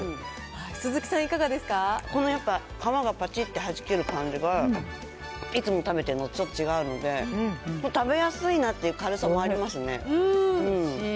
鈴木さん、このやっぱ、皮がぱちってはじける感じが、いつも食べてるのとちょっと違うので、食べやすいなっていう軽さおいしい。